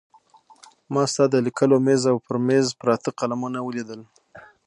ما ستا د لیکلو مېز او پر مېز پراته قلمونه ولیدل.